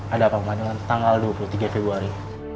ada apa kebayangan tanggal dua puluh tiga februari